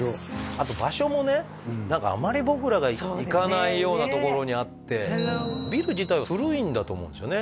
あと場所もね何かあまり僕らが行かないようなところにあってビル自体が古いんだと思うんですよね